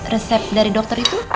resep dari dokter itu